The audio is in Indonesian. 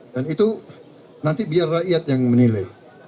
dan itu nanti biar rakyat yang menilai